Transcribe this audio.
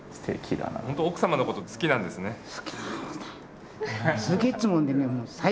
本当奥さまのこと好きなんですね。